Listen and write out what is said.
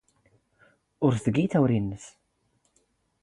ⵓⵔ ⵉⴳⵉ ⵜⴰⵡⵓⵔⵉ ⵏⵏⵙ.